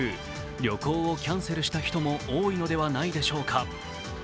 旅行をキャンセルした人も多いのではないでしょうか。